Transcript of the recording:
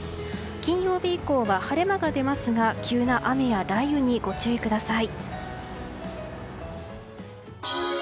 金曜日以降は晴れ間が出ますが急な雨や雷雨にご注意ください。